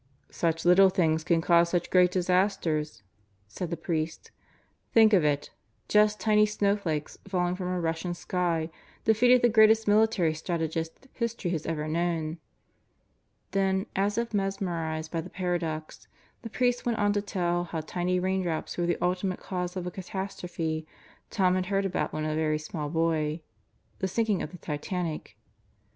"Such little things can cause such great disasters," said the priest. "Think of it: just tiny snowflakes falling from a Russian sky defeated the greatest military strategist history has ever known." Then as if mesmerized by the paradox, the priest went on to tell how tiny raindrops were the ultimate cause of a catastro phe Tom had heard about when a very small boy the sinking of the Titanic.